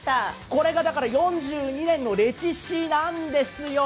これが４２年の歴史なんですよ。